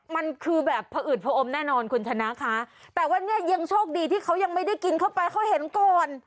มันคือแบบผอืดผอมแน่นอนคุณชนะค่ะแต่ว่าเนี่ยยังโชคดีที่เขายังไม่ได้กินเข้าไปเขาเห็นก่อน